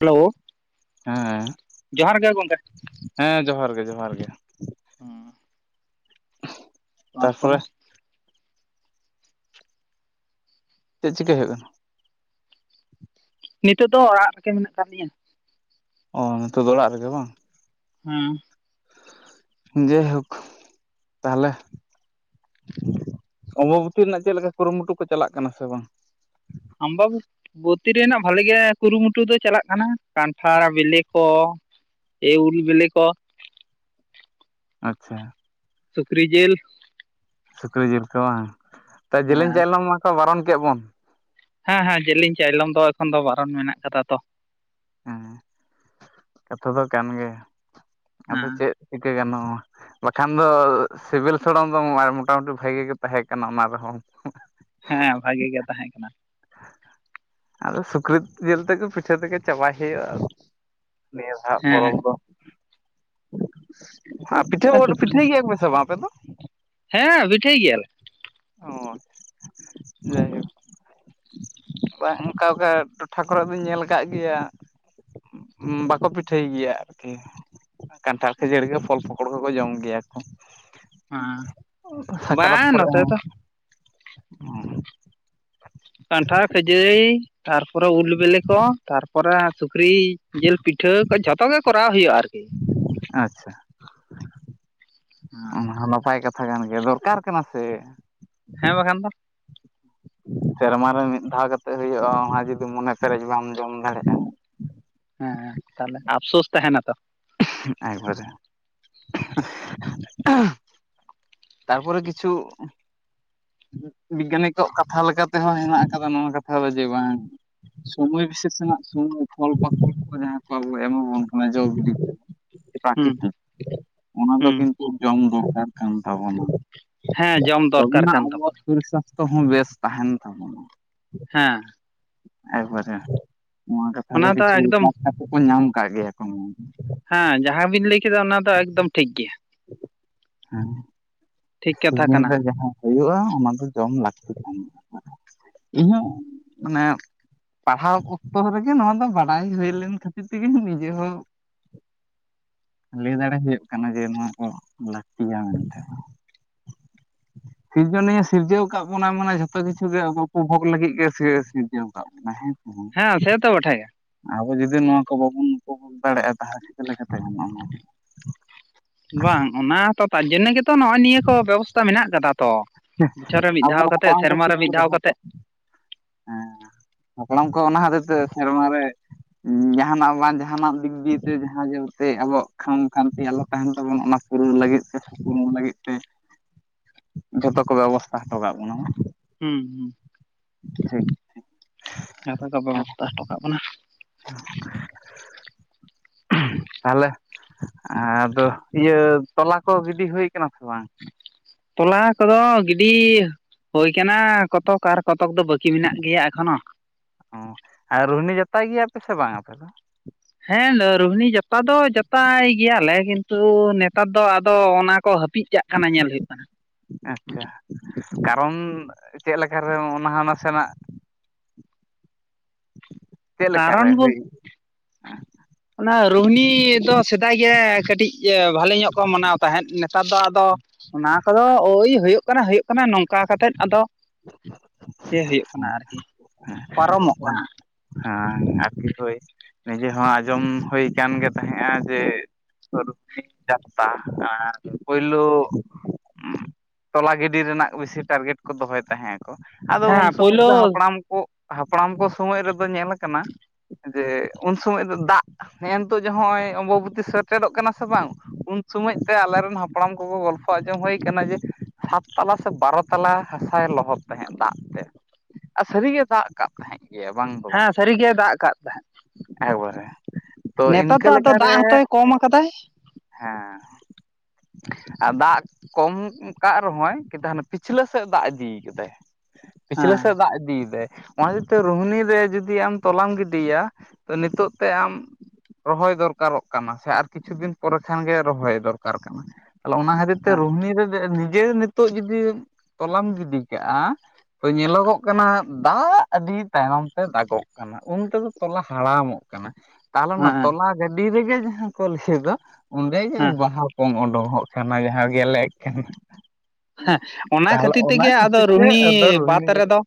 Hello ᱦᱮᱸ ᱡᱚᱦᱟᱨ ᱜᱮ ᱜᱚᱢᱠᱮ ᱦᱮᱸ ᱡᱚᱦᱟᱨ ᱜᱮ ᱡᱚᱦᱟᱨ ᱜᱮ ᱦᱮᱸ ᱛᱟᱨᱯᱚᱨᱮ ᱪᱮᱫ ᱪᱤᱠᱟᱹᱭ ᱦᱩᱭᱩᱜ ᱠᱟᱱᱟ ᱱᱤᱛᱚᱜ ᱫᱚ ᱚᱲᱟᱜ ᱨᱮᱜᱮ ᱢᱮᱱᱟᱜ ᱠᱟᱜ ᱞᱤᱧᱟ ᱚᱸ ᱱᱤᱛᱚᱜ ᱫᱚ ᱚᱲᱟᱜ ᱨᱮᱜᱮ ᱵᱟᱝ ᱦᱩᱸ ᱡᱟᱭᱦᱳᱠ ᱛᱟᱦᱚᱞᱮ ᱚᱵᱚᱵᱚᱛᱤ ᱨᱮᱱᱟᱜ ᱪᱮᱫ ᱞᱮᱠᱟ ᱠᱩᱨᱩᱢᱩᱴᱩ ᱠᱚ ᱪᱟᱞᱟᱜ ᱠᱟᱱᱟ ᱥᱮ ᱵᱟᱝ ᱟᱢᱵᱟᱵᱚᱛᱤ ᱵᱚᱛᱤ ᱨᱮᱱᱟᱜ ᱵᱷᱟᱞᱤ ᱜᱮ ᱠᱩᱨᱩᱢᱩᱴᱩ ᱫᱚ ᱪᱟᱞᱟᱜ ᱠᱟᱱᱟ ᱠᱟᱱᱴᱷᱟᱲ ᱵᱤᱞᱤ ᱠᱚ ᱮ ᱩᱞ ᱵᱤᱞᱤ ᱠᱚ ᱟᱪᱪᱷᱟ ᱥᱩᱠᱨᱤ ᱡᱤᱞ ᱥᱩᱠᱨᱤ ᱡᱤᱞ ᱠᱚ ᱵᱟᱝ ᱛᱚ ᱡᱮᱞᱮᱧ ᱦᱮᱸ ᱪᱟᱭᱞᱚᱢ ᱢᱟᱠᱚ ᱵᱟᱨᱚᱱ ᱠᱮᱫ ᱵᱚᱱ ᱦᱮᱸ ᱦᱮᱸ ᱡᱮᱞᱤᱧ ᱪᱟᱭᱞᱚᱢ ᱫᱚ ᱮᱠᱷᱚᱱ ᱫᱚ ᱵᱟᱨᱚᱱ ᱢᱮᱱᱟᱜ ᱟᱠᱟᱫᱟ ᱛᱚ ᱦᱮᱸ ᱠᱟᱛᱷᱟ ᱫᱚ ᱠᱟᱱ ᱜᱮᱭᱟ ᱟᱫᱚ ᱦᱮᱸ ᱪᱮᱫ ᱪᱤᱠᱟᱹ ᱜᱟᱱᱚᱜᱼᱟ ᱵᱟᱠᱷᱟᱱ ᱫᱚ ᱥᱤᱵᱤᱞ ᱥᱚᱲᱚᱢ ᱫᱚ ᱢᱚᱴᱟ ᱢᱩᱴᱤ ᱵᱷᱟᱜᱤ ᱜᱮ ᱛᱟᱦᱮᱸ ᱠᱟᱱᱟ ᱚᱱᱟ ᱨᱮᱦᱚᱸ ᱦᱮᱸ ᱵᱷᱟᱜᱤ ᱜᱮ ᱛᱟᱦᱮᱸ ᱠᱟᱱᱟ ᱟᱫᱚ ᱥᱩᱠᱨᱤ ᱡᱤᱞ ᱛᱮᱜᱮ ᱯᱤᱴᱷᱟᱹ ᱛᱮᱜᱮ ᱪᱟᱵᱟᱭ ᱦᱩᱭᱩᱜᱼᱟ ᱱᱮᱥᱟᱜ ᱦᱮᱸ ᱯᱚᱨᱚᱵᱽ ᱦᱮᱸ ᱫᱚ ᱟᱨ ᱯᱤᱴᱷᱟᱹ ᱳᱫ ᱥᱩᱠᱨᱤ ᱯᱤᱴᱷᱟᱹ ᱜᱮᱭᱟ ᱯᱮᱥᱟ ᱵᱟᱝ ᱟᱯᱮ ᱫᱚ᱾ ᱦᱮᱸ ᱯᱤᱴᱷᱟᱹᱭ ᱜᱮᱭᱟᱞᱮ᱾ ᱚ ᱡᱟᱭ ᱦᱳᱠ ᱵᱟᱝ ᱚᱝᱠᱟ ᱠᱟ ᱴᱚᱴᱷᱟ ᱠᱚᱨᱮ ᱫᱚᱧ ᱧᱮᱞ ᱠᱟᱜ ᱜᱮᱭᱟ᱾ ᱵᱟᱠᱚ ᱯᱤᱴᱷᱟᱹᱭ ᱜᱮᱭᱟ ᱟᱨᱠᱤ᱾ ᱠᱟᱱᱴᱷᱟᱲ ᱠᱷᱟᱹᱡᱟᱹᱲᱤ ᱠᱚ ᱯᱷᱚᱞ ᱯᱚᱠᱚᱲ ᱠᱚᱠᱚ ᱡᱚᱢ ᱜᱮᱭᱟ ᱠᱚ ᱦᱮᱸ ᱥᱟᱠᱨᱟᱛ ᱵᱟᱝ ᱠᱚᱨᱮ ᱱᱚᱛᱮ ᱦᱚᱸ ᱫᱚ ᱠᱟᱱᱴᱷᱟᱲ, ᱠᱷᱟᱹᱡᱟᱹᱲᱤ, ᱛᱟᱨᱯᱚᱨᱮ ᱩᱞ ᱵᱤᱞᱤ ᱠᱚ ᱛᱟᱨᱯᱚᱨᱮ ᱥᱩᱠᱨᱤ ᱡᱤᱞ ᱯᱤᱴᱷᱟᱹ ᱠᱚ ᱡᱷᱚᱛᱚ ᱜᱮ ᱠᱚᱨᱟᱣ ᱦᱩᱭᱩᱜᱼᱟ ᱟᱨᱠᱤ᱾ ᱟᱪᱪᱷᱟ ᱚᱱᱟ ᱦᱚᱸ ᱱᱟᱯᱟᱭ ᱠᱟᱛᱷᱟ ᱠᱟᱱ ᱜᱮᱭᱟ ᱫᱚᱨᱠᱟᱨ ᱠᱟᱱᱟ ᱥᱮ᱾ ᱦᱮᱸ ᱵᱟᱠᱷᱟᱱ ᱫᱚ᱾ ᱥᱮᱨᱢᱟ ᱨᱮ ᱢᱤᱫ ᱫᱷᱟᱣ ᱠᱟᱛᱮ ᱦᱩᱭᱩᱜᱼᱟ ᱚᱱᱟ ᱡᱩᱫᱤ ᱢᱚᱱᱮ ᱯᱮᱨᱮᱡ ᱵᱟᱢ ᱡᱚᱢ ᱫᱟᱲᱮᱭᱟᱜᱼᱟ ᱦᱮᱸ ᱛᱟᱦᱚᱞᱮ ᱟᱯᱥᱳᱥ ᱛᱟᱦᱮ ᱱᱟᱛᱚ ᱮᱠᱵᱟᱨᱮ ᱛᱟᱨᱯᱚᱨᱮ ᱠᱤᱪᱷᱩ ᱵᱤᱜᱽᱜᱟᱱᱤᱠ ᱠᱟᱣᱟᱜ ᱠᱟᱛᱷᱟ ᱞᱮᱠᱟᱛᱮᱦᱚᱸ ᱦᱮᱱᱟᱜ ᱠᱟᱫᱟ ᱱᱚᱣᱟ ᱠᱟᱛᱷᱟ ᱫᱚ ᱡᱮ ᱵᱟᱝ ᱥᱚᱢᱚᱭ ᱵᱤᱥᱮᱥ ᱨᱮᱱᱟᱜ ᱥᱚᱢᱚᱭ ᱯᱷᱚᱞ ᱯᱟᱠᱚᱲ ᱠᱚ ᱡᱟᱦᱟᱸ ᱠᱚ ᱟᱵᱚ ᱮᱢᱟᱵᱚᱱ ᱠᱟᱱᱟ ᱡᱚ ᱵᱤᱞᱤ ᱠᱚ ᱦᱩᱸ ᱯᱨᱟᱠᱤᱛᱤᱠ ᱚᱱᱟ ᱫᱚ ᱦᱩᱸ ᱠᱤᱱᱛᱩ ᱡᱚᱢ ᱫᱚᱨᱠᱟᱨ ᱠᱟᱱ ᱛᱟᱵᱚᱱᱟ᱾ ᱦᱮᱸ ᱡᱚᱢ ᱫᱚᱨᱠᱟᱨ ᱛᱚᱵᱮᱱᱟᱜ ᱠᱟᱱ ᱟᱵᱚᱣᱟᱜ ᱛᱟᱵᱚᱱᱟ ᱥᱚᱨᱤᱨ ᱥᱟᱥᱛᱷᱚ ᱦᱚᱸ ᱵᱮᱥ ᱛᱟᱦᱮᱱ ᱛᱟᱵᱚᱱᱟ ᱦᱮᱸ ᱮᱠᱵᱟᱨᱮ ᱱᱚᱣᱟ ᱠᱟᱛᱷᱟ ᱫᱚ ᱚᱱᱟ ᱠᱤᱪᱷᱩ ᱮᱠᱫᱚᱢ ᱠᱟᱛ ᱠᱟᱛᱮ ᱠᱚ ᱧᱟᱢ ᱠᱟᱜ ᱜᱮᱭᱟ ᱠᱚ ᱱᱚᱣᱟ ᱫᱚ ᱦᱮᱸ ᱡᱟᱦᱟᱸ ᱵᱤᱱ ᱞᱟᱹᱭ ᱠᱮᱫᱟ ᱚᱱᱟ ᱫᱚ ᱮᱠᱫᱚᱢ ᱴᱷᱤᱠ ᱜᱮᱭᱟ᱾ ᱦᱮᱸ ᱴᱷᱤᱠ ᱠᱟᱛᱷᱟ ᱥᱤᱡᱮᱱ ᱠᱟᱱᱟ ᱨᱮ ᱡᱟᱦᱟᱸ ᱦᱩᱭᱩᱜᱼᱟ ᱚᱱᱟ ᱫᱚ ᱡᱚᱢ ᱞᱟᱹᱠᱛᱤ ᱛᱟᱦᱮ [unintelligible] ᱤᱧ ᱦᱩᱜ ᱢᱟᱱᱮ ᱯᱟᱲᱦᱟᱣ ᱚᱠᱛᱚ ᱨᱮᱜᱮ ᱱᱚᱣᱟ ᱫᱚ ᱵᱟᱰᱟᱭ ᱦᱩᱭ ᱞᱮᱱ ᱠᱷᱟᱹᱛᱤᱨ ᱛᱮᱜᱮ ᱱᱤᱡᱮ ᱦᱚᱸ ᱞᱟᱹᱭ ᱫᱟᱲᱮ ᱦᱩᱭᱩᱜ ᱠᱟᱱᱟ ᱡᱮ ᱱᱚᱣᱟ ᱠᱚ ᱞᱟᱹᱠᱛᱤᱭᱟ ᱢᱮᱱᱛᱮ ᱥᱤᱨᱡᱚᱱᱤᱭᱟᱹ ᱥᱤᱨᱡᱟᱹᱣ ᱠᱟᱜ ᱵᱚᱱᱟ ᱢᱟᱱᱮ ᱡᱷᱚᱛᱚ ᱠᱤᱪᱷᱩ ᱜᱮ ᱩᱯᱚ ᱵᱷᱳᱜ ᱞᱟᱹᱜᱤᱫ ᱜᱮ ᱥᱤᱨᱡᱟᱹᱣ ᱠᱟᱜ ᱵᱚᱱᱟ ᱦᱮᱸ ᱥᱮ ᱵᱟᱝ ᱦᱮᱸ ᱥᱮᱛᱚ ᱵᱚᱴᱷᱮ ᱜᱮ ᱟᱵᱚ ᱡᱩᱫᱤ ᱱᱚᱣᱟ ᱠᱚ ᱵᱟᱵᱚᱱ ᱩᱯᱚᱵᱷᱳᱜ ᱫᱟᱲᱮᱜᱼᱟ ᱛᱟᱦᱚᱞᱮ ᱪᱤᱠᱟᱹ ᱞᱮᱠᱟᱛᱮ ᱜᱟᱱᱚᱜᱼᱟ᱾ ᱵᱟᱝ ᱚᱱᱟ ᱛᱚ ᱛᱟᱨ ᱡᱚᱱᱱᱚ ᱜᱮᱛᱚ ᱱᱚᱜᱼᱚᱭ ᱱᱤᱭᱟᱹ ᱠᱚ ᱵᱮᱵᱚᱥᱛᱟ ᱢᱮᱱᱟᱜ ᱠᱟᱫᱟ ᱛᱚ ᱵᱚᱪᱷᱚᱨ ᱨᱮ ᱢᱤᱫ ᱫᱷᱟᱣ ᱟᱵᱚᱨᱮᱱ ᱠᱟᱛᱮ ᱦᱟᱯᱲᱟᱢ ᱠᱚ ᱥᱮᱨᱢᱟ ᱴᱷᱤᱠ ᱨᱮ ᱢᱤᱫ ᱠᱚ ᱫᱚᱦᱚ ᱫᱷᱟᱣ ᱦᱚᱴᱚ ᱠᱟᱛᱮ᱾ ᱦᱮᱸ ᱦᱟᱯᱲᱟᱢ ᱠᱚ ᱚᱱᱟ ᱦᱚᱛᱮ ᱛᱮ ᱥᱮᱨᱢᱟᱨ ᱨᱮ᱾ ᱡᱟᱦᱟᱱᱟᱜ ᱵᱟᱝ ᱡᱟᱦᱟᱱᱟᱜ ᱫᱤᱠ ᱫᱤᱭᱮᱛᱨ ᱡᱟᱦᱟᱸ ᱡᱮᱛᱮ ᱟᱵᱚᱣᱟᱜ ᱠᱷᱟᱢ ᱠᱷᱟᱱᱛᱤ ᱟᱞᱚ ᱛᱟᱦᱮᱱ ᱛᱟᱵᱚᱱ ᱚᱱᱟ ᱩᱨᱩᱢ ᱞᱟᱹᱜᱤᱫ ᱛᱮ ᱩᱨᱩᱢ ᱞᱟᱹᱜᱤᱫ ᱛᱮ ᱡᱷᱚᱛᱚ ᱠᱚ ᱵᱮᱵᱚᱥᱛᱷᱟ ᱦᱚᱴᱚ ᱠᱟᱜ ᱵᱚᱱᱟ ᱦᱩᱸ ᱦᱩᱸ [unintelligible] ᱡᱷᱚᱛᱚ ᱠᱚ ᱵᱮᱵᱚᱥᱛᱷᱟ ᱦᱚᱴᱚ ᱠᱟᱜ ᱵᱚᱱᱟ᱾ [inaudible] [inaudible] ᱛᱟᱦᱚᱞᱮ ᱟᱫᱚ ᱤᱭᱟᱹ ᱛᱚᱞᱟ ᱠᱚ ᱜᱤᱰᱤ ᱦᱩᱭ ᱠᱟᱱᱟ ᱥᱮ ᱵᱟᱝ ᱛᱚᱞᱟ ᱠᱚᱫᱚ ᱜᱤᱰᱤ ᱦᱩᱭᱳᱭ ᱠᱟᱱᱟ ᱠᱚᱛᱚᱠ ᱟᱨ ᱠᱚᱛᱚᱠ ᱫᱚ ᱵᱟᱹᱠᱤ ᱢᱮᱱᱟᱜ ᱜᱮᱭᱟ ᱮᱠᱷᱚᱱᱚ ᱚ ᱟᱨ ᱨᱩᱦᱱᱤ ᱡᱟᱛᱟᱭ ᱜᱮᱭᱟ ᱯᱮ ᱥᱮ ᱵᱟᱝ ᱟᱯᱮ ᱫᱚ ᱦᱮᱸ ᱨᱩᱦᱱᱤ ᱡᱟᱛᱟ ᱫᱚ ᱡᱟᱛᱟᱭ ᱜᱮᱭᱟᱞᱮ ᱠᱤᱱᱛᱩ ᱱᱮᱛᱟᱨ ᱫᱚ ᱟᱫᱚ ᱚᱱᱟ ᱠᱚ ᱦᱟᱹᱯᱤᱜ ᱪᱟᱜ ᱠᱟᱱᱟ ᱧᱮᱞ ᱦᱩᱭᱩᱜ ᱠᱟᱱᱟ᱾ ᱟᱪᱪᱷᱟ ᱠᱟᱨᱚᱱ ᱪᱮᱫ ᱞᱮᱠᱟᱨᱮ ᱚᱱᱟ ᱦᱚᱸ ᱱᱟᱥᱮᱱᱟᱜ ᱠᱟᱨᱚᱱ ᱵᱚ ᱟ ᱚᱱᱟ ᱨᱩᱦᱤᱱᱤ ᱫᱚ ᱥᱮᱫᱟᱭ ᱜᱮ ᱠᱟᱹᱴᱤᱡ ᱮᱸ ᱵᱷᱟᱞᱤ ᱧᱚᱜ ᱠᱚ ᱢᱟᱱᱟᱣ ᱛᱟᱦᱮᱸᱫ ᱱᱮᱛᱟᱨ ᱫᱚ ᱟᱫᱚ ᱚᱱᱟ ᱠᱚᱫᱚ ᱳᱭ ᱦᱳᱭᱳᱜ ᱠᱟᱱᱟ ᱦᱳᱭᱳᱜ ᱠᱟᱱᱟ ᱱᱚᱝᱠᱟ ᱠᱟᱛᱮᱫ ᱟᱫᱚ ᱯᱮ ᱦᱳᱭᱳᱜ ᱠᱟᱱᱟ ᱟᱨᱠᱤ ᱯᱟᱨᱚᱢᱚᱜ ᱠᱟᱱᱟ ᱦᱮᱸ ᱟᱨᱠᱤ ᱦᱳᱭ ᱱᱤᱡᱮ ᱦᱚᱸ ᱟᱸᱡᱚᱢ ᱦᱩᱭ ᱠᱟᱱ ᱜᱮ ᱛᱟᱦᱮᱸᱫᱼᱟ ᱡᱮ ᱨᱩᱦᱤᱱᱤ ᱡᱟᱛᱛᱟ ᱟᱨ ᱯᱳᱭᱞᱳ ᱛᱚᱞᱟ ᱜᱤᱰᱤ ᱨᱮᱱᱟᱜ ᱵᱮᱥᱤ ᱴᱟᱨᱜᱮᱴ ᱠᱚ ᱫᱚᱦᱚᱭ ᱛᱟᱦᱮᱸᱜ ᱟᱠᱚ ᱟᱫᱚ ᱦᱮᱸ ᱩᱱ ᱥᱚᱢᱚᱭ ᱯᱳᱭᱞᱳ ᱫᱚ ᱦᱟᱯᱲᱟᱢ ᱠᱚ ᱦᱟᱯᱲᱟᱢ ᱠᱚ ᱥᱚᱢᱚᱭ ᱨᱮᱫᱚ ᱧᱮᱞ ᱟᱠᱟᱱᱟ ᱡᱮ ᱩᱱ ᱥᱚᱢᱚᱭ ᱫᱚ ᱫᱟᱜ ᱦᱮᱸ ᱱᱤᱛᱳᱜ ᱱᱚᱜᱼᱚᱭ ᱚᱢᱵᱚᱵᱚᱛᱤ ᱥᱮᱴᱮᱨᱚᱜ ᱠᱟᱱᱟ ᱥᱮ ᱵᱟᱝ ᱩᱱ ᱥᱚᱢᱚᱡ ᱛᱮ ᱟᱞᱮ ᱨᱮᱱ ᱦᱟᱯᱲᱟᱢ ᱠᱚᱠᱚ ᱜᱚᱞᱯᱷᱚ ᱟᱸᱡᱚᱢ ᱦᱩᱭ ᱠᱟᱱᱟ ᱡᱮ ᱥᱟᱛ ᱛᱟᱞᱟ ᱥᱮ ᱵᱟᱨᱚ ᱛᱟᱞᱟ ᱦᱟᱥᱟᱭ ᱞᱚᱦᱚᱫ ᱛᱟᱦᱮᱸᱫ ᱫᱟᱜ ᱛᱮ ᱟᱨ ᱥᱟᱹᱨᱤ ᱜᱮ ᱫᱟᱜ ᱟᱠᱟᱵ ᱛᱟᱦᱮᱸᱜ ᱜᱮ ᱵᱟᱝ ᱫᱚ ᱦᱮᱸ ᱵᱟᱝ ᱥᱟᱹᱨᱤ ᱜᱮ ᱫᱟᱜ ᱠᱟᱜ ᱛᱟᱦᱮᱸᱫ ᱮᱠᱵᱟᱨᱮ [inaudible] ᱱᱮᱛᱟᱨ ᱤᱱᱠᱟᱹ ᱫᱚ ᱟᱫᱚ ᱫᱟᱜ ᱞᱮᱠᱟᱨᱮ ᱦᱚᱸᱛᱚᱭ ᱠᱚᱢ ᱠᱟᱫᱟᱭ ᱦᱮᱸ ᱟᱨ ᱫᱟᱜ ᱠᱚᱢ ᱠᱟᱜ ᱨᱮᱦᱚᱸᱭ ᱠᱤᱱᱛᱩ ᱦᱟᱱᱮ ᱯᱤᱪᱷᱞᱟᱹ ᱥᱮᱫ ᱫᱟᱜ ᱤᱫᱤ ᱠᱮᱫᱟᱭ ᱯᱤᱪᱷᱞᱟᱹ ᱦᱮᱸ ᱥᱮᱫ ᱫᱟᱜ ᱤᱫᱤᱭ ᱫᱟᱭ᱾ ᱚᱱᱟ ᱠᱷᱟᱹᱛᱤᱨ ᱛᱮ ᱨᱩᱦᱤᱱᱤ ᱨᱮ ᱡᱩᱫᱤ ᱟᱢ ᱛᱚᱞᱟᱢ ᱜᱤᱰᱤᱭᱟ ᱛᱚ ᱱᱤᱛᱳᱜ ᱛᱮ ᱟᱢ ᱨᱚᱦᱚᱭ ᱫᱚᱨᱠᱟᱨᱚᱜ ᱠᱟᱱᱟ ᱥᱮ ᱟᱨ ᱠᱤᱪᱷᱩ ᱫᱤᱱ ᱯᱚᱨᱮ ᱠᱷᱟᱱᱜᱮ ᱨᱚᱦᱚᱭ ᱫᱚᱨᱠᱟᱨ ᱠᱟᱱᱟ ᱛᱟᱦᱚᱞᱮ ᱚᱱᱟ ᱠᱷᱟᱹᱛᱤᱨ ᱛᱮ ᱦᱮᱸ ᱨᱩᱦᱤᱱᱤ ᱨᱮ ᱱᱤᱡᱮ ᱱᱤᱛᱳᱜ ᱡᱩᱫᱤ ᱛᱚᱞᱟᱢ ᱜᱤᱰᱤ ᱠᱟᱜᱼᱟ ᱧᱮᱞᱚᱜᱚᱜ ᱠᱟᱱᱟ ᱫᱟᱜ ᱟᱹᱰᱤ ᱛᱟᱭᱚᱱᱚᱢ ᱛᱮ ᱫᱟᱜᱚᱜ ᱠᱟᱱᱟ ᱩᱱ ᱛᱮᱫᱚ ᱛᱚᱞᱟ ᱦᱟᱲᱟᱢᱚᱜ ᱠᱟᱱᱟ ᱛᱟᱦᱚᱞᱮ ᱚᱱᱟ ᱦᱮᱸ ᱛᱚᱞᱟ ᱜᱟᱹᱰᱤ ᱨᱮᱜᱮ ᱡᱟᱦᱟᱸ ᱠᱚ ᱞᱟᱹᱭ ᱹ ᱫᱚ ᱚᱸᱰᱮ ᱜᱮ ᱦᱮᱸ ᱵᱟᱦᱟ ᱯᱚᱝ ᱚᱸᱰᱠᱳᱝ-ᱚᱜ ᱠᱟᱱᱟ ᱡᱟᱦᱟᱸ ᱜᱮᱞᱮᱜ ᱠᱟᱱᱟ ᱦᱮᱸ ᱚᱱᱟ ᱛᱟᱦᱚᱞᱮ ᱠᱷᱟᱹᱛᱤᱨ ᱚᱱᱟ ᱛᱮᱜᱮ ᱟᱫᱚ ᱠᱷᱟᱹᱛᱤᱨ ᱛᱮ ᱨᱩᱦᱤᱱᱤ ᱟᱫᱚ ᱵᱟᱫ ᱨᱳᱦᱤᱱᱤ ᱨᱮᱫᱚ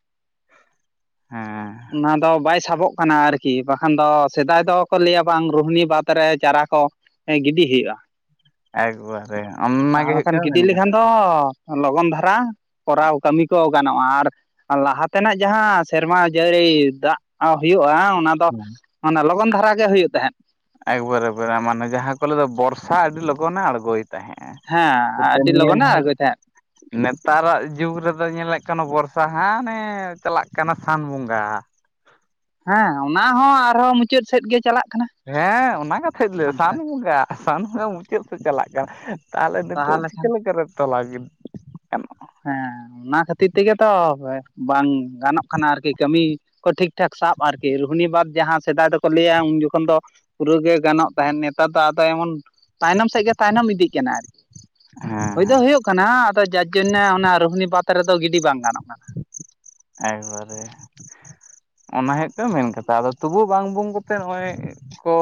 ᱦᱮᱸ ᱚᱱᱟ ᱫᱚ ᱵᱟᱭ ᱥᱟᱵᱚᱜ ᱠᱟᱱᱟ ᱟᱨᱠᱤ ᱵᱟᱠᱷᱟᱱ ᱫᱚ ᱥᱮᱫᱟᱭ ᱫᱚ ᱠᱚ ᱞᱟᱹᱭᱟ ᱵᱟᱝ ᱨᱩᱦᱤᱱᱤ ᱵᱟᱫᱽ ᱨᱮ ᱪᱟᱨᱟ ᱠᱚ ᱮᱸ ᱜᱤᱰᱤ ᱦᱩᱭᱩᱜᱼᱟ, ᱮᱠᱵᱟᱨᱮ ᱚᱱᱟᱜᱮ ᱛᱟᱦᱚᱞᱮ ᱦᱩᱭᱩᱜ ᱠᱟᱱᱟ ᱜᱤᱰᱤ ᱢᱮᱱ ᱠᱟᱛᱷᱟ ᱞᱮᱠᱷᱟᱱ ᱫᱚ ᱞᱚᱜᱚᱱ ᱫᱷᱟᱨᱟ ᱠᱚᱨᱟᱣ ᱠᱟᱹᱢᱤ ᱠᱚ ᱜᱟᱱᱚᱜᱼᱟ, ᱟᱨ ᱞᱟᱦᱟ ᱛᱮᱱᱟᱜ ᱡᱟᱦᱟᱸ ᱥᱮᱨᱢᱟ ᱡᱟᱹᱲᱤ ᱫᱟᱜ ᱦᱩᱭᱩᱜᱼᱟ, ᱚᱱᱟ ᱫᱚ ᱚᱱᱟ ᱞᱚᱜᱚᱱ ᱫᱷᱟᱨᱟ ᱜᱮ ᱦᱩᱭᱩᱜ ᱛᱟᱦᱮᱸᱫ᱾ ᱮᱠᱵᱟᱨᱮ ᱮᱠᱵᱟᱨᱮ ᱢᱟᱱᱮ ᱡᱟᱦᱟᱸ ᱠᱚ ᱞᱟᱹᱭ ᱫᱚ ᱵᱚᱨᱥᱟ ᱟᱹᱰᱤ ᱞᱚᱜᱚᱱᱮ ᱟᱲᱜᱳᱭ ᱛᱟᱦᱮᱸ ᱟ ᱦᱮᱸ ᱮᱛᱮ ᱟᱹᱰᱤ ᱱᱤᱭᱟᱹ ᱞᱚᱜᱚᱱᱮ ᱫᱷᱟᱣ ᱟᱬᱜᱚᱭ ᱛᱟᱦᱮᱸᱫ ᱱᱮᱛᱟᱨᱟᱜ ᱡᱩᱜᱽ ᱨᱮᱫᱚ ᱧᱮᱞᱮᱫ ᱠᱟᱱᱟ ᱵᱚᱨᱥᱟ ᱦᱟᱸᱱᱮ ᱪᱟᱞᱟᱜ ᱠᱟᱱᱟ ᱥᱟᱱ ᱵᱚᱸᱜᱟ᱾ ᱦᱮᱸ ᱚᱱᱟ ᱦᱚᱸ ᱟᱨᱦᱚᱸ ᱢᱩᱪᱟᱹᱫ ᱥᱮᱫ ᱜᱮ ᱪᱟᱞᱟᱜ ᱠᱟᱱᱟ᱾ ᱦᱮᱸ ᱚᱱᱟ ᱠᱟᱛᱷᱟ ᱞᱟᱹᱭ ᱦᱟᱱᱛᱮ ᱥᱟᱱ ᱵᱚᱸᱜᱟ ᱥᱟᱱ ᱵᱚᱸᱜᱟ ᱢᱩᱪᱟᱹᱫ ᱥᱮᱫ ᱪᱟᱞᱟᱜ ᱠᱟᱱᱟ᱾ ᱛᱟᱦᱚᱞᱮ ᱱᱤᱛᱳᱜ ᱪᱤᱠᱟᱹ ᱞᱮᱠᱟ ᱨᱮ ᱛᱚᱞᱟ ᱜᱤᱰᱤ? ᱜᱟᱱᱚᱜᱼᱟ ᱦᱮᱸ ᱚᱱᱟ ᱠᱷᱟᱹᱛᱤᱨ ᱛᱮᱜᱮ ᱛᱚ ᱵᱟᱝ ᱜᱟᱱᱚᱜ ᱠᱟᱱᱟ ᱟᱨᱠᱤ ᱠᱟᱹᱢᱤ ᱠᱚ ᱴᱷᱤᱠ ᱴᱷᱟᱠ ᱥᱟᱵ ᱟᱨᱠᱤ, ᱨᱩᱦᱤᱱᱤ ᱵᱟᱫᱽ ᱡᱟᱦᱟᱸ ᱥᱮᱫᱟᱭ ᱫᱚᱠᱚ ᱞᱟᱹᱭᱟ ᱩᱱ ᱡᱚᱠᱷᱚᱱ ᱫᱚ ᱯᱩᱨᱟᱹ ᱜᱮ ᱜᱟᱱᱚᱜ ᱛᱟᱦᱮᱸᱫ ᱱᱮᱛᱟᱨ ᱫᱚ ᱟᱫᱚ ᱮᱢᱚᱱ ᱛᱟᱭᱱᱚᱢ ᱥᱮᱫ ᱜᱮ ᱛᱟᱭᱱᱚᱢ ᱤᱫᱤᱜ ᱠᱟᱱᱟ ᱟᱨᱠᱤ ᱦᱮᱸ ᱦᱳᱭ ᱫᱚ ᱦᱳᱭᱳᱜ ᱠᱟᱱᱟ ᱟᱫᱚ ᱡᱟᱨ ᱡᱚᱱᱱᱮ ᱚᱱᱮ ᱨᱩᱦᱤᱱᱤ ᱵᱟᱛ ᱨᱮᱫᱚ ᱜᱤᱰᱤ ᱵᱟᱝ ᱜᱟᱱᱚᱜ ᱠᱟᱱᱟ᱾ ᱮᱠᱵᱟᱨᱮ ᱚᱱᱟ ᱦᱳᱭᱳᱜ ᱠᱟᱱᱟ ᱢᱮᱱ ᱠᱟᱛᱷᱟ, ᱟᱫᱚ ᱛᱚᱵᱩ ᱵᱟᱝ ᱵᱩᱢ ᱠᱟᱛᱮ ᱱᱚᱜᱼᱚᱭ ᱠᱚ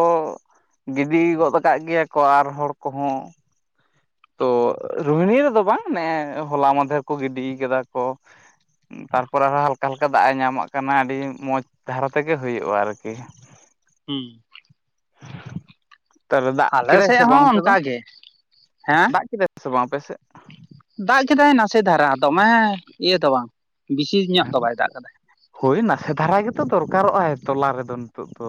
ᱜᱤᱰᱤ ᱜᱚᱫ ᱟᱠᱟᱫ ᱜᱮᱭᱟ ᱠᱚ ᱟᱨ ᱦᱚᱲ ᱠᱚᱦᱚᱸ᱾ ᱛᱚ ᱨᱩᱦᱤᱱᱤ ᱨᱮᱫᱚ ᱵᱟᱝ ᱱᱮᱜ-ᱮ ᱦᱚᱞᱟ ᱢᱟᱫᱷᱮᱨ ᱠᱚ ᱜᱤᱰᱤ ᱠᱟᱫᱟ ᱠᱚ᱾ ᱛᱟᱨᱯᱚᱨᱮ ᱟᱨᱦᱚᱸ ᱦᱟᱞᱠᱟ ᱦᱟᱞᱠᱟ ᱫᱟᱜ ᱮ ᱧᱟᱢᱟᱜ ᱠᱟᱱᱟ ᱟᱹᱰᱤ ᱢᱚᱸᱡᱽ ᱫᱷᱟᱨᱟ ᱛᱮᱜᱮ ᱦᱩᱭᱩᱜᱼᱟ ᱟᱨᱠᱤ᱾ ᱦᱩᱸ ᱛᱟᱦᱚᱞᱮ ᱫᱟᱜ ᱟᱞᱮ ᱠᱮᱫᱟᱭ ᱥᱮᱫ ᱥᱮ ᱵᱟᱝ ᱦᱚᱸ ᱚᱱᱛᱮ ᱫᱚ? ᱚᱱᱠᱟ ᱜᱮ ᱦᱮᱸ ᱫᱟᱜ ᱠᱮᱫᱟᱭ ᱥᱮ ᱵᱟᱝ ᱟᱯᱮ ᱥᱮᱫ? ᱫᱟᱜ ᱠᱮᱫᱟᱭ ᱱᱟᱥᱮ ᱫᱷᱟᱨᱟ ᱫᱚᱢᱮ ᱤᱭᱟᱹ ᱫᱚ ᱵᱟᱝ ᱵᱮᱥᱤ ᱧᱚᱜ ᱫᱚ ᱵᱟᱭ ᱫᱟᱜ ᱠᱟᱫᱟᱭ᱾ ᱦᱳᱭ ᱱᱟᱥᱮ ᱫᱷᱟᱨᱟ ᱜᱮᱛᱚ ᱫᱚᱨᱠᱟᱨᱚᱜ ᱟ ᱛᱚᱞᱟ ᱨᱮᱫᱚ ᱱᱤᱛᱳᱜ ᱫᱚ᱾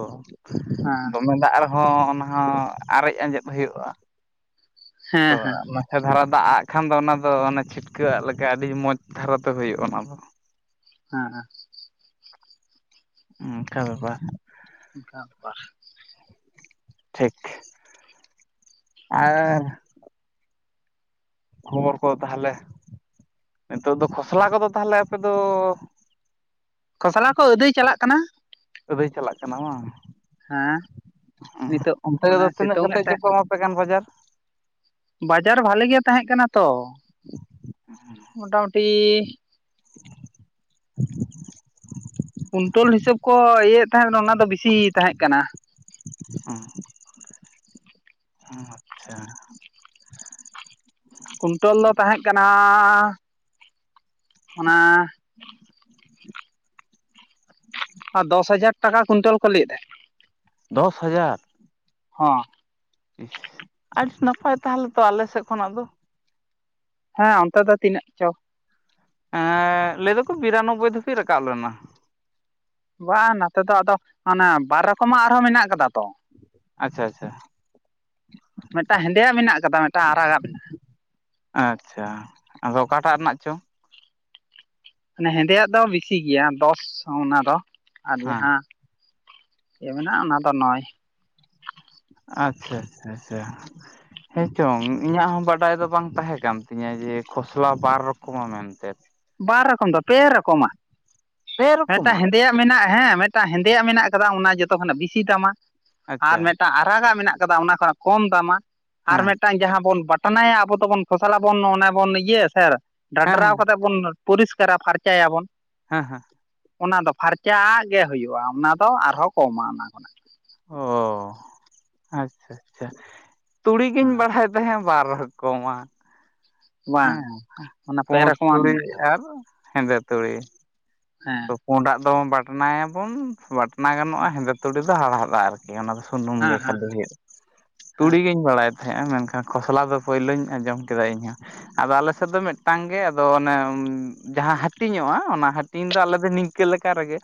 ᱦᱮᱸ ᱫᱚᱢᱮ ᱫᱟᱜ ᱨᱮᱦᱚᱸ ᱚᱱᱟ ᱦᱚᱸ ᱟᱨᱮᱡ ᱟᱸᱡᱮᱫ ᱦᱳᱭᱳᱜᱼᱟ᱾ ᱦᱮᱸ ᱛᱚ ᱦᱮᱸ ᱟᱜ ᱱᱟ ᱥᱮ ᱫᱷᱟᱨᱟ ᱫᱟᱜ ᱟᱜ ᱠᱷᱟᱱ ᱫᱚ ᱚᱱᱟ ᱫᱚ ᱪᱷᱤᱴᱠᱟᱹ ᱟᱜ ᱞᱮᱠᱟ ᱟᱹᱰᱤ ᱢᱚᱡᱽ ᱫᱷᱟᱨᱟᱛᱮ ᱦᱩᱭᱩᱜᱼᱟ ᱚᱱᱟ ᱫᱚ᱾ ᱦᱮᱸᱻ ᱦᱩᱸ ᱚᱱᱠᱟ ᱵᱮᱯᱟᱨ᱾ ᱚᱱᱠᱟ ᱵᱮᱯᱟᱨ ᱴᱷᱤᱠ, ᱟᱨ ᱠᱷᱚᱵᱚᱨ ᱠᱚ ᱛᱟᱦᱚᱞᱮ ᱱᱤᱛᱚᱜ ᱫᱚ ᱠᱷᱚᱥᱞᱟ ᱠᱚᱫᱚ ᱛᱟᱦᱚᱞᱮ ᱟᱯᱮ ᱫᱚ? ᱠᱷᱚᱥᱞᱟ ᱠᱚ ᱟᱹᱫᱟᱹᱭ ᱪᱟᱞᱟᱜ ᱠᱟᱱᱟ᱾ ᱟᱹᱫᱟᱹᱭ ᱪᱟᱞᱟᱜ ᱠᱟᱱᱟ ᱵᱟᱝ? ᱦᱮᱸ ᱱᱤᱛᱚᱜ ᱚᱱᱛᱮ ᱚᱱᱮ ᱫᱚ ᱛᱤᱱᱟᱹᱜ ᱥᱤᱛᱩᱝ ᱮᱫ ᱠᱟᱛᱮᱫ ᱛᱟᱦᱮᱸ ᱪᱚᱠᱚ ᱮᱢᱟᱯᱮ ᱠᱟᱱ ᱵᱟᱡᱟᱨ? ᱵᱟᱡᱟᱨ ᱵᱷᱟᱞᱮ ᱜᱮ ᱛᱟᱦᱮᱸ ᱠᱟᱱᱟ ᱛᱚ᱾ [inaudible] ᱢᱚᱴᱟᱢᱩᱴᱤ [inaudible] ᱠᱩᱱᱴᱚᱞ ᱦᱤᱥᱟᱹᱵ ᱠᱚ ᱤᱭᱟᱹᱮᱫ ᱛᱟᱦᱮᱸ ᱚᱱᱟ ᱫᱚ ᱵᱮᱥᱤ ᱛᱟᱦᱮᱸᱜ ᱠᱟᱱᱟ᱾ [unintelligible] ᱟᱪᱪᱷᱟ ᱠᱩᱱᱴᱚᱞ ᱫᱚ ᱛᱟᱦᱮᱸᱜ ᱠᱟᱱᱟᱻ ᱚᱱᱟ, ᱟᱨ ᱫᱚᱥ ᱦᱟᱡᱟᱨ ᱴᱟᱠᱟ ᱠᱩᱭᱤᱱᱴᱟᱹᱞ ᱠᱚ ᱞᱟᱹᱭ ᱮᱫ ᱛᱟᱦᱮᱡ᱾ ᱫᱚᱥ ᱦᱟᱡᱟᱨ! ᱦᱚᱸ ᱟᱹᱰᱤ ᱱᱟᱯᱟᱭ ᱛᱟᱦᱞᱮ ᱛᱚ ᱟᱞᱮ ᱥᱮᱜ ᱠᱷᱚᱱᱟᱜ ᱫᱚ᱾ ᱦᱮᱸ ᱚᱱᱛᱮ ᱫᱚ ᱛᱤᱱᱟᱹᱜ ᱪᱚ? ᱮᱸ ᱞᱟᱹᱭ ᱫᱟᱠᱚ ᱵᱤᱨᱟᱱᱚᱵᱵᱚᱭ ᱫᱷᱟᱹᱵᱤᱡ ᱨᱟᱠᱟᱵ ᱞᱮᱱᱟ᱾ ᱵᱟᱝ ᱱᱟᱛᱮ ᱫᱚ ᱟᱫᱚ ᱟᱱᱟ ᱵᱟᱨ ᱨᱚᱠᱚᱢᱟᱜ ᱟᱨᱦᱚᱸ ᱢᱮᱱᱟᱜ ᱠᱟᱫᱟ ᱛᱚ᱾ ᱟᱪᱪᱷᱟ ᱟᱪᱪᱷᱟ ᱢᱤᱫᱴᱟᱝ ᱦᱮᱸᱫᱮᱭᱟᱜ ᱢᱮᱱᱟᱜ ᱠᱟᱫᱟ ᱢᱤᱫᱴᱟᱝ ᱟᱨᱟᱜᱟᱜ ᱢᱮᱱᱟᱜᱼᱟ᱾ ᱟᱪᱪᱷᱟ ᱟᱫᱚ ᱚᱠᱟᱴᱟᱜ ᱨᱮᱱᱟᱜ ᱪᱚ? ᱢᱟᱱᱮ ᱦᱮᱸᱫᱮᱭᱟᱜ ᱫᱚ ᱵᱮᱥᱤ ᱜᱮᱭᱟ ᱫᱚᱥ ᱚᱱᱟ ᱫᱚ ᱟᱨ ᱦᱮᱸ ᱡᱟᱦᱟᱸ ᱪᱮᱜ ᱢᱮᱱᱟᱜᱼᱟ ᱚᱱᱟ ᱫᱚ ᱱᱚᱭ᱾ ᱟᱪᱪᱷᱟ ᱟᱪᱪᱷᱟ ᱟᱪᱪᱷᱟ ᱦᱮᱸ ᱪᱚᱝ ᱤᱧᱟᱜ ᱦᱚᱸ ᱵᱟᱰᱟᱭ ᱫᱚ ᱵᱟᱝ ᱛᱟᱦᱮᱸ ᱠᱟᱱ ᱛᱤᱧᱟᱹ ᱡᱮ ᱠᱷᱚᱥᱞᱟ ᱵᱟᱨ ᱨᱚᱠᱚᱢᱟ ᱢᱮᱱᱛᱮ᱾ ᱵᱟᱨ ᱨᱚᱠᱚᱢ ᱫᱚ ᱯᱮ ᱨᱚᱠᱚᱢᱟ ᱯᱮ ᱢᱤᱫᱴᱟᱝ ᱨᱚᱠᱚᱢᱟᱜ ᱦᱮᱸᱫᱮᱭᱟᱜ᱾ ᱢᱮᱱᱟᱜᱼᱟ ᱦᱮᱸ ᱢᱤᱫᱴᱟᱝ ᱦᱮᱸᱫᱮᱭᱟᱜ ᱢᱮᱱᱟᱜ ᱠᱟᱫᱟ ᱚᱱᱟ ᱡᱚᱛᱚ ᱠᱷᱚᱱᱟᱜ ᱵᱤᱥᱤ ᱫᱟᱢᱟ᱾ ᱟᱨ ᱟᱪᱪᱷᱟ ᱢᱤᱫᱴᱟᱝ ᱟᱨᱟᱜᱟᱜ ᱢᱮᱱᱟᱜ ᱠᱟᱫᱟ ᱚᱱᱟ ᱠᱷᱚᱱᱟᱜ ᱠᱚᱢ ᱫᱟᱢᱟ ᱟᱨ ᱦᱮᱸ ᱢᱤᱫᱴᱟᱝ ᱡᱟᱦᱟᱸ ᱵᱚᱱ ᱵᱟᱴ ᱴᱟᱱᱟᱭᱟ ᱟᱵᱚ ᱫᱚᱵᱚᱱ ᱠᱷᱚᱥᱟᱞᱟ ᱵᱚᱱ ᱚᱱᱮ ᱵᱚᱱ ᱤᱭᱟᱹᱭᱟ ᱥᱮ ᱦᱮᱸ ᱦᱮᱸ ᱰᱟᱰᱨᱟᱣ ᱠᱟᱛ ᱵᱚᱱ ᱯᱚᱨᱤᱥᱠᱟᱨᱟ ᱯᱷᱟᱨᱪᱟᱭᱟᱵᱚᱱ᱾ ᱦᱮᱸ ᱦᱮᱸ ᱚᱱᱟ ᱫᱚ ᱯᱷᱟᱨᱪᱟᱜ ᱜᱮ ᱦᱩᱭᱩᱜᱼᱟ ᱚᱱᱟ ᱫᱚ ᱟᱨᱦᱚᱸ ᱠᱚᱢᱟ ᱚᱱᱟ ᱠᱷᱚᱱᱟᱜ᱾ ᱚ ᱟᱪᱪᱷᱟ ᱟᱪᱪᱷᱟ ᱛᱩᱲᱤ ᱜᱤᱧ ᱦᱮᱸ ᱵᱟᱲᱟᱭ ᱛᱟᱦᱮᱸᱫ᱾ ᱵᱟᱨ ᱨᱚᱠᱚᱢᱟ᱾ ᱵᱟᱝ ᱦᱮᱸ ᱚᱱᱟ ᱯᱮ ᱯᱩᱸᱰ ᱨᱚᱠᱚᱢᱟᱜ ᱛᱩᱲᱤ ᱢᱮᱱᱟᱜ ᱟᱠᱟᱫᱟ ᱟᱨ ᱦᱮᱸᱫᱮ ᱛᱩᱲᱤ᱾ ᱦᱮᱸ ᱛᱚ ᱯᱩᱸᱰᱟᱜ ᱫᱚ ᱵᱟᱴᱱᱟᱭᱟᱵᱚᱱ ᱵᱟᱴᱱᱟ ᱜᱟᱱᱚᱜᱼᱟ ᱦᱮᱸᱫᱮ ᱛᱩᱲᱤ ᱫᱚ ᱦᱟᱲᱦᱟᱫᱼᱟ ᱟᱨᱠᱤ ᱚᱱᱟ ᱫᱚ᱾ ᱥᱩᱱᱩᱢ ᱦᱮᱸ ᱜᱮ ᱦᱮᱸ ᱠᱷᱟᱞᱤ ᱦᱩᱭᱩᱜ ᱦᱮᱸ ᱛᱩᱲᱤ ᱜᱤᱧ ᱵᱟᱲᱟᱭ ᱛᱟᱦᱮᱸᱜᱼᱟ ᱢᱮᱱᱠᱷᱟᱱ ᱠᱷᱚᱥᱞᱟ ᱫᱚ ᱯᱳᱭᱞᱳᱧ ᱟᱸᱡᱚᱢ ᱠᱮᱫᱟ ᱤᱧᱦᱚᱸ᱾ ᱟᱫᱚ ᱟᱞᱮᱥᱮᱫ ᱫᱚ ᱢᱤᱫᱴᱟᱝ ᱜᱮ ᱟᱫᱚ ᱚᱱᱮ ᱡᱟᱦᱟᱸ ᱦᱟᱹᱴᱤᱧᱚᱜᱼᱟ ᱚᱱᱟ ᱦᱟᱹᱴᱤᱧ ᱫᱚ ᱟᱞᱮ ᱫᱚ ᱱᱤᱝᱠᱟᱹ ᱞᱮᱠᱟ ᱨᱮᱜᱮ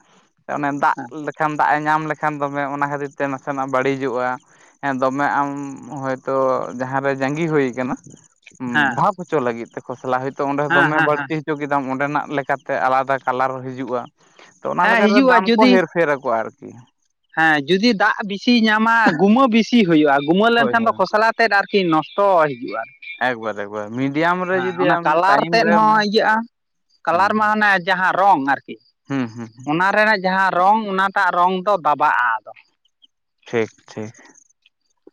ᱚᱱᱮ ᱫᱟᱜ ᱞᱮᱠᱷᱟᱱ ᱫᱟᱜ ᱮ ᱧᱟᱢ ᱞᱮᱠ ᱠᱷᱟᱱ ᱫᱚᱢᱮ ᱚᱱᱟ ᱠᱷᱟᱹᱛᱤᱨ ᱛᱮ ᱱᱟᱥᱮᱱᱟᱜ ᱵᱟᱹᱲᱤᱡᱚᱜᱼᱟ᱾ ᱦᱮᱸ ᱫᱚᱢᱮ ᱟᱢ ᱦᱚᱳᱭᱛᱳ ᱡᱟᱦᱟᱸᱨᱮ ᱡᱟᱸᱜᱤ ᱦᱩᱭ ᱟᱠᱟᱱᱟ, ᱦᱮᱸ ᱦᱮᱸ ᱵᱷᱟᱵ ᱦᱚᱪᱚ ᱞᱟᱹᱜᱤᱫ ᱛᱮ ᱠᱷᱚᱥᱞᱟ ᱦᱚᱳᱭᱛᱳ ᱚᱸᱰᱮ ᱦᱮᱸ ᱫᱚᱢᱮ ᱦᱮᱸ ᱦᱮᱸ ᱵᱟᱹᱲᱛᱤ ᱦᱚᱪᱚ ᱠᱮᱫᱟᱢ ᱚᱸᱰᱮᱱᱟᱜ ᱞᱮᱠᱟᱛᱮ ᱟᱞᱟᱫᱟ ᱠᱟᱞᱟᱨ ᱦᱤᱡᱩᱜᱼᱟ ᱛᱚ ᱚᱱᱟ ᱦᱮᱸ ᱞᱮᱠᱟ ᱞᱮᱠᱟ ᱛᱮ ᱦᱤᱡᱩᱜᱼᱟ ᱫᱟᱢ ᱠᱚ ᱡᱩᱫᱤ ᱦᱮᱨᱱᱯᱷᱮᱨ ᱟᱠᱚ ᱟᱨᱠᱤ, ᱦᱮᱸ ᱡᱩᱫᱤ ᱫᱟᱜ ᱵᱤᱥᱤ ᱧᱟᱢᱟ ᱜᱩᱢᱟᱹ ᱵᱮᱥᱤ ᱦᱩᱭᱩᱜᱼᱟ ᱜᱩᱢᱟᱹ ᱦᱳᱭ ᱞᱮᱱᱠᱷᱟᱱ ᱫᱚ ᱦᱳᱭ ᱠᱚᱥᱞᱟ ᱛᱮᱫ ᱟᱨᱠᱤ ᱱᱚᱥᱴᱚ ᱦᱤᱡᱩᱜᱼᱟ ᱟᱨᱠᱤ ᱮᱠ ᱵᱟᱨ ᱮᱠ ᱵᱟᱨ ᱢᱤᱰᱤᱭᱟᱢ ᱨᱮ ᱦᱮᱸ ᱡᱩᱫᱤ ᱚᱱᱟ ᱟᱢ ᱠᱟᱞᱟᱨ ᱴᱟᱭᱤᱢ ᱛᱮᱫ ᱨᱮ ᱦᱚᱸ ᱤᱭᱟᱹᱜᱼᱟ ᱠᱟᱞᱟᱨ ᱢᱟ ᱦᱮᱸ ᱟᱱᱮ ᱡᱟᱦᱟᱸ ᱨᱚᱝ ᱟᱨᱠᱤ ᱦᱩᱸ ᱦᱩᱸ ᱚᱱᱟ ᱨᱮᱱᱟᱜ ᱡᱟᱦᱟᱸ ᱨᱚᱝ ᱚᱱᱟᱴᱟᱜ ᱨᱚᱝ ᱫᱚ ᱫᱟᱵᱟᱜᱼᱟ ᱟᱫᱚ ᱴᱷᱤᱠ ᱴᱷᱤᱠ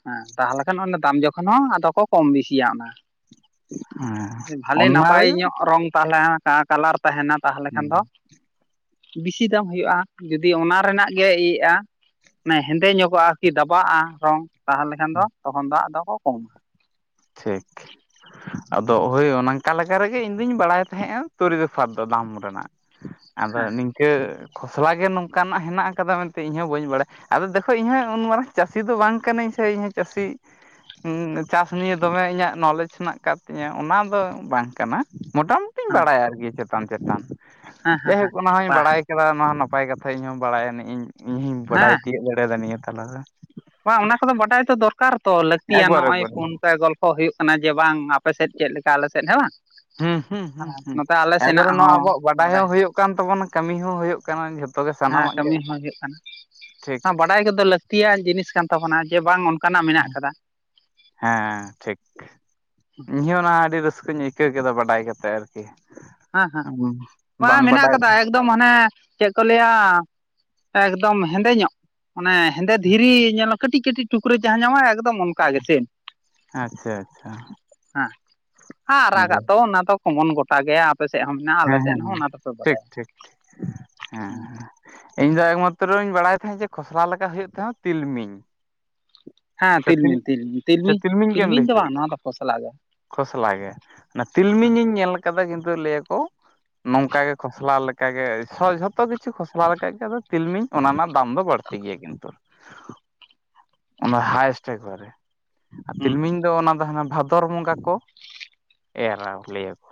ᱦᱮᱸ ᱛᱟᱦᱚᱞᱮ ᱠᱷᱟᱱ ᱚᱱᱟ ᱫᱟᱢ ᱡᱚᱠᱷᱚᱱ ᱦᱚᱸ ᱟᱫᱚ ᱠᱚ ᱠᱚᱢ ᱵᱤᱥᱤᱭᱟ ᱚᱱᱟ ᱦᱮᱸ ᱵᱷᱟᱹᱞᱤ ᱚᱱᱟ ᱱᱟᱯᱟᱭ ᱨᱮ ᱧᱚᱜ ᱨᱚᱝ ᱛᱟᱦᱚᱞᱮ ᱠᱟᱞᱟᱨ ᱛᱟᱦᱮᱱᱟ ᱛᱟᱦᱚᱞᱮ ᱠᱷᱟᱱ ᱫᱚ ᱵᱮᱥᱤ ᱫᱟᱢ ᱦᱩᱭᱩᱜᱼᱟ ᱡᱩᱫᱤ ᱚᱱᱟ ᱨᱮᱱᱟᱜ ᱜᱮ ᱤᱭᱟᱹᱜᱼᱟ ᱢᱟᱱᱮ ᱦᱮᱸᱫᱮ ᱧᱚᱜᱚᱜᱼᱟ ᱠᱤ ᱫᱟᱵᱟᱜᱼᱟ ᱨᱚᱝ ᱛᱟᱦᱚᱞᱮ ᱠᱷᱟᱱ ᱫᱚ ᱛᱚᱠᱷᱚᱱ ᱫᱚ ᱟᱫᱚ ᱠᱚ ᱠᱚᱢᱟ, ᱴᱷᱤᱠ ᱟᱫᱚ ᱦᱳᱭ ᱝᱠᱟ ᱞᱮᱠᱟ ᱨᱮᱜᱮ ᱤᱧ ᱫᱩᱧ ᱵᱟᱲᱟᱭ ᱛᱟᱦᱮᱸᱜᱼᱟ ᱛᱲᱤ ᱛᱚᱯᱷᱟᱛ ᱫᱚ ᱫᱟᱢ ᱨᱮᱱᱟᱜ ᱟᱫᱚ ᱦᱮᱸ ᱱᱤᱝᱠᱟᱹ ᱠᱷᱚᱥᱞᱟ ᱜᱮ ᱱᱚᱝᱠᱟᱱᱟᱜ ᱦᱮᱱᱟᱜ ᱠᱟᱫᱟ ᱢᱮᱱᱛᱮ ᱤᱧ ᱦᱚᱸ ᱵᱟᱹᱧ ᱵᱟᱲᱟᱭᱟ ᱟᱫᱚ ᱫᱮᱠᱷᱚ ᱤᱧ ᱦᱚᱸ ᱩᱱ ᱢᱟᱨᱟᱝ ᱪᱟᱹᱥᱤ ᱫᱚ ᱵᱟᱝ ᱠᱟᱹᱱᱟᱹᱧ ᱥᱮ ᱤᱧᱦ ᱪᱟᱹᱥᱤ ᱪᱟᱥ ᱱᱤᱭᱟᱹ ᱫᱚᱢᱮ ᱤᱧᱟᱹᱜ ᱱᱚᱞᱮᱡᱽ ᱦᱮᱱᱟᱜ ᱟᱠᱟᱫ ᱛᱤᱧᱟᱹ ᱚᱱᱟ ᱫᱚ ᱵᱟᱝ ᱠᱟᱱᱟ ᱢᱚᱴᱟ ᱢᱩᱴᱤᱧ ᱦᱮᱸ ᱵᱟᱲᱟᱭ ᱟᱨ ᱪᱮᱫ? ᱪᱮᱛᱟᱱ ᱪᱮᱛᱟᱱ ᱦᱮᱸ ᱦᱮᱸ ᱡᱟᱭ ᱦᱚᱠ ᱚᱱᱟ ᱦᱚᱧ ᱵᱟᱦ ᱵᱟᱲᱟᱭ ᱠᱮᱫᱟ ᱱᱚᱣᱟ ᱱᱟᱯᱟᱭ ᱠᱟᱛᱷᱟ ᱤᱧᱦᱚᱸ ᱵᱟᱲᱟᱭ ᱟᱹᱤᱡ ᱤᱧ ᱤᱧᱦᱧ ᱵᱟᱰᱟᱭ ᱦᱮᱸ ᱛᱤᱭᱳᱜ ᱫᱟᱲᱮᱭᱟᱫᱟ ᱱᱤᱭᱟᱹ ᱛᱟᱞᱟ ᱨᱮ᱾ ᱵᱟᱝ ᱚᱱᱟ ᱠᱚᱫᱚ ᱵᱟᱰᱟᱭ ᱛᱟ ᱫᱚᱨᱠᱟᱨ ᱛᱚ ᱞᱟᱹᱠᱛᱤᱭᱟ ᱱᱚᱜ ᱮᱠᱵᱟᱨᱮ ᱚᱚᱭ ᱮᱠᱵᱟᱨᱮ ᱯᱷᱳᱱ ᱛᱮ ᱜᱚᱞᱯᱚ ᱠᱚ ᱦᱩᱭᱩᱜ ᱠᱟᱱᱟ ᱡᱮ ᱵᱟᱝ ᱟᱯᱮ ᱥᱮᱫ ᱪᱮᱫ ᱞᱮᱠᱟ ᱟᱞᱮ ᱥᱮᱫ ᱦᱮᱸ ᱵᱟᱝ? ᱦᱩ ᱦᱩᱸ ᱱᱚᱛᱮ ᱟᱞᱮ ᱥᱮᱱᱟᱜ ᱮᱵᱚᱨᱮ ᱱᱚᱣᱟ ᱦᱚᱸ ᱟᱵᱚᱣᱟᱜ ᱵᱟᱰᱟᱭ ᱦᱚᱸ ᱦᱩᱭᱩᱜ ᱠᱟᱱ ᱛᱟᱵᱚᱱᱟ ᱠᱟᱹᱢᱤ ᱦᱚᱸ ᱦᱩᱭᱩᱜ ᱠᱟᱱᱟ ᱜᱮ ᱦᱮᱸ ᱥᱟᱱᱟᱢᱟᱜ ᱠᱟᱹᱢᱤ ᱜᱮ ᱦᱚᱸ ᱦᱩᱭᱩᱜ ᱠᱟᱱᱟ, ᱴᱷᱤᱠ ᱦᱟᱸ ᱵᱟᱲᱟᱭ ᱠᱚᱫᱚ ᱞᱟᱹᱠ ᱞᱟᱹᱠᱛᱤᱭᱱ ᱡᱤᱱᱤᱥ ᱠᱟᱱ ᱛᱟᱵᱚᱱᱟ ᱡᱮ ᱵᱟᱝ ᱚᱱᱠᱟᱱᱟᱜ ᱢᱮᱱᱟᱜ ᱟᱠᱟᱫᱟ ᱦᱮᱸ ᱴᱷᱤᱠ ᱤᱧᱦ ᱚᱱᱟ ᱟᱹᱰᱤ ᱨᱟᱹᱥᱠᱟᱹᱧ ᱟᱹᱭᱠᱟᱹᱣ ᱠᱮᱫᱟ ᱵᱟᱰᱟᱭ ᱠᱟᱛᱮ ᱟᱨᱠᱤ᱾ ᱦᱮᱸ ᱦᱮᱸ [unintelligible] ᱵᱟᱝ ᱢᱮᱱᱟᱜ ᱵᱟᱰᱟᱭ ᱟᱠᱟᱫᱟ ᱮᱠᱫᱚᱢ ᱦᱟᱱᱮ ᱪᱮᱫ ᱠᱚ ᱞᱟᱹᱭᱟ ᱮᱠᱫᱚᱢ ᱦᱮᱸᱫᱮ ᱧᱚᱜ᱾ ᱚᱱᱮ ᱦᱮᱸᱫᱮ ᱫᱷᱤᱨᱤ ᱧᱮᱞᱚᱜ ᱠᱟᱹᱴᱤᱡ ᱠᱟᱹᱴᱤᱡ, ᱴᱩᱠ ᱨᱮ ᱡᱟᱦᱟᱸ ᱧᱟᱢᱟᱭ ᱮᱠᱫᱚᱢ ᱚᱱᱠᱟ ᱜᱮ ᱥᱮᱢ᱾ ᱟᱪᱪᱷᱟ ᱟᱪᱪᱷᱟ ᱦᱮᱸ ᱟᱨ ᱟᱨᱟᱜᱟᱜ ᱛᱚ ᱦᱮᱸ ᱚᱱᱟ ᱫᱚ ᱠᱚᱢᱚᱱ ᱜᱚᱴᱟ ᱜᱮᱭᱟ, ᱟᱯᱮ ᱥᱮᱫ ᱦᱚᱸ ᱢᱮᱱᱟᱜᱼᱟ ᱟᱞᱮ ᱥᱮᱫ ᱦᱮᱸ ᱦᱚᱸ ᱚᱱᱟ ᱫᱚᱯᱮ ᱴᱷᱤᱠ ᱵᱟᱰᱟᱭᱟ ᱴᱷᱤᱠ ᱦᱮᱸ ᱦᱩᱸ᱾ ᱤᱧ ᱫᱚ ᱮᱠᱢᱟᱛᱨᱚᱧ ᱵᱟᱲᱟᱭ ᱛᱟᱦᱮᱸᱫ ᱡᱮ ᱠᱷᱚᱥᱞᱟ ᱞᱮᱠᱟ ᱦᱩᱭᱩᱜ ᱛᱟᱦᱮᱸᱦᱚᱸ ᱛᱤᱞᱢᱤᱧ᱾ ᱦᱮᱸ ᱥᱮ ᱛᱤᱞ ᱛᱤᱞᱢᱤᱧ ᱛᱤᱞᱢᱤᱧ ᱥᱮ ᱛᱤᱞᱢᱤᱧ ᱜᱮᱢ ᱛᱤᱞᱢᱤᱧ ᱞᱟᱹᱭ ᱦᱚᱪᱚ ᱫᱚ ᱠᱮᱫᱟ ᱵᱟᱝ ᱱᱚᱣᱟ ᱫᱚ ᱯᱷᱚᱥᱞᱟᱜ ᱜᱮ ᱠᱷᱚᱥᱞᱟ ᱜᱮ, ᱚᱱᱟ ᱛᱤᱞᱢᱤᱧ ᱤᱧ ᱧᱮᱞ ᱠᱟᱫᱟ ᱠᱤᱱᱛᱩ ᱞᱟᱹᱭ ᱟᱠᱚ, ᱱᱚᱝᱠᱟ ᱜᱮ ᱠᱷᱚᱥᱞᱟ ᱞᱮᱠᱟᱜᱮ ᱡᱷᱚᱛᱚ ᱠᱤᱪᱷᱩ ᱠᱷᱚᱥᱞᱟ ᱞᱮᱠᱟᱜᱮ ᱟᱫᱚ ᱛᱤᱞᱢᱤᱧ ᱚᱱᱟ ᱨᱮᱱᱟᱜ ᱫᱟᱢ ᱫᱚ ᱵᱟᱹᱲᱛᱤ ᱜᱮᱭᱟ ᱠᱤᱱᱛᱩ᱾ ᱚᱱᱟ ᱦᱟᱭᱮᱥᱴ ᱮᱠ ᱵᱟᱨᱮ᱾ ᱟᱨ ᱦᱮᱸ ᱛᱤᱞᱢᱤᱧ ᱫᱚ ᱚᱱᱟ ᱫᱚ ᱦᱟᱱᱟ ᱵᱷᱟᱫᱚᱨ ᱵᱚᱸᱜᱟ ᱠᱚ ᱮᱨᱟ ᱞᱟᱹᱭ ᱟᱠᱚ᱾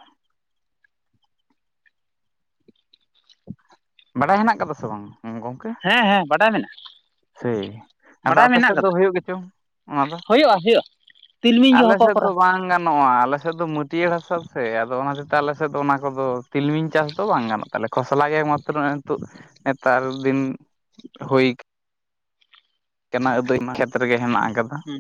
ᱵᱟᱰᱟᱭ ᱦᱮᱱᱟᱜ ᱠᱟᱫᱟ ᱥᱮ ᱵᱟᱝ ᱜᱚᱝᱠᱮ? ᱦᱮᱸ ᱦᱮᱸ ᱵᱟᱰᱟᱭ ᱢᱮᱱᱟᱜᱼᱟ᱾ ᱥᱮᱭ ᱟᱫᱚ ᱵᱟᱰᱟᱭ ᱟᱯᱮ ᱢᱮᱱᱟᱜ ᱥᱮᱫ ᱫᱚ ᱟᱠᱟᱫᱟ ᱦᱩᱭᱩᱜ ᱜᱮᱪᱚᱝ ᱚᱱᱟ ᱫᱚ᱾ ᱦᱩᱭᱩᱜᱼᱟ ᱦᱩᱭᱩᱜᱼᱟ᱾ ᱛᱤᱞᱢᱤᱧ ᱜᱮ ᱟᱞᱮ ᱦᱚᱠᱚ ᱥᱮᱫ ᱫᱚ ᱠᱚᱨᱟ ᱵᱟᱝ ᱜᱟᱱᱚᱜ ᱜᱟᱱᱚᱜᱼᱟ ᱟᱞᱮᱮᱥᱮᱫ ᱫᱚ ᱢᱟᱹᱴᱭᱟᱹᱲ ᱦᱟᱥᱟ ᱥᱮ ᱟᱫᱚ ᱚᱱᱟ ᱦᱚᱛᱮ ᱟᱞᱮᱥᱮᱫ ᱫᱚ ᱚᱱᱟ ᱠᱚᱫᱚ ᱛᱤᱞᱢᱤᱧ ᱪᱟᱥ ᱫᱚ ᱵᱟᱝ ᱜᱟᱱᱚᱜ ᱠᱟᱱᱟᱭᱟ ᱛᱟᱦᱚᱞᱮ ᱠᱷᱚᱥᱞᱟ ᱜᱮ ᱮᱠ ᱢᱟᱛᱨᱚ ᱱᱤᱛᱚᱜ ᱱᱮᱛᱟᱨ ᱫᱤᱱ ᱦᱩᱭ [unintelligible] ᱢᱟ ᱠᱷᱮᱛ ᱨᱮᱜᱮ ᱦᱮᱸᱱᱟᱜ ᱟᱠᱟᱫᱟ ᱾ ᱦᱩᱸ